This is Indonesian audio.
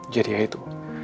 jadi ya itu